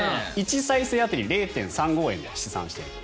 １再生当たり０．３５円で試算していると。